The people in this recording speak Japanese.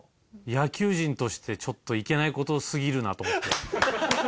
野球人としてちょっといけない事すぎるなと思って。